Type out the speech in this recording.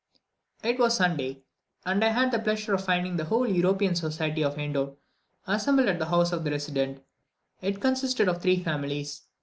It was a Sunday, and I had the pleasure of finding the whole European society of Indor assembled at the house of the resident. It consisted of three families.